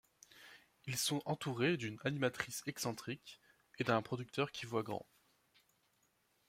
Ils sont entourés d'une animatrice excentrique et d'un producteur qui voit grand.